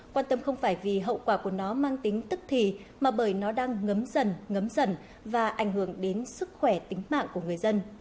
quan tâm không phải vì hậu quả của nó mang tính tức thì mà bởi nó đang ngấm dần ngấm dần và ảnh hưởng đến sức khỏe tính mạng của người dân